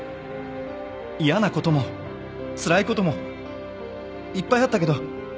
嫌なこともつらいこともいっぱいあったけど